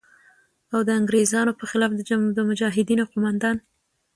او د انگریزانو په خلاف د مجاهدینو قوماندان